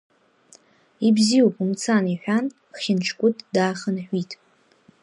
Ибзиоуп, умцан, — иҳәан, Хьанчкәыт даахынҳәит.